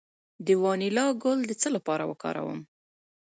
د وانیلا ګل د څه لپاره وکاروم؟